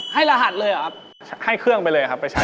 ให้รหัสเลยอะครับ